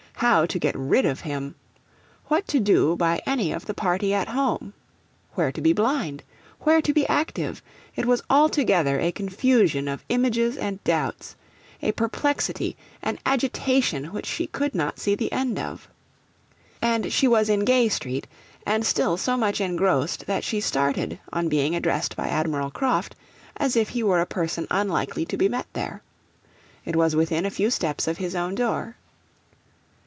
How to get rid of him? What to do by any of the party at home? Where to be blind? Where to be active? It was altogether a confusion of images and doubts a perplexity, an agitation which she could not see the end of. And she was in Gay Street, and still so much engrossed that she started on being addressed by Admiral Croft, as if he were a person unlikely to be met there. It was within a few steps of his own door.